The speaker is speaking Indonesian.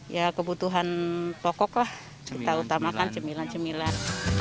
ya kebutuhan pokok lah kita utamakan cemilan cemilan